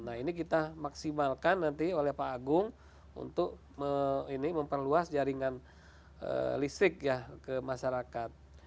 nah ini kita maksimalkan nanti oleh pak agung untuk memperluas jaringan listrik ya ke masyarakat